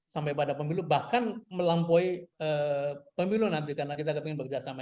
sampai pada pemilu bahkan melampaui pemilu nanti karena kita ingin bekerjasama